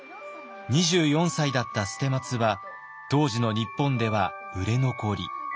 ２４歳だった捨松は当時の日本では売れ残り。